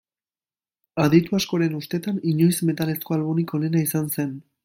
Aditu askoren ustetan, inoiz metalezko albumik onena izan zen.